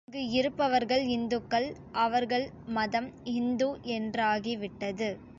அங்கு இருப்பவர்கள் ஹிந்துக்கள், அவர்கள் மதம் ஹிந்து என்றாகிவிட்டது.